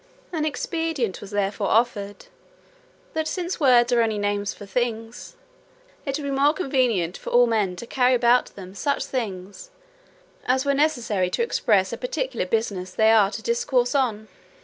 An expedient was therefore offered, "that since words are only names for things, it would be more convenient for all men to carry about them such things as were necessary to express a particular business they are to discourse on."